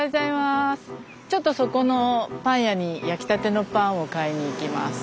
ちょっとそこのパン屋に焼きたてのパンを買いに行きます。